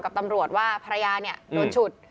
กับตำรวจว่าภรรยาเนี่ยโดนฉุด